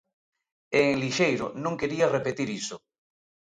E en Lixeiro non quería repetir iso.